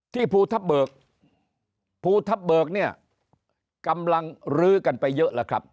ภูทับเบิกภูทับเบิกเนี่ยกำลังลื้อกันไปเยอะแล้วครับ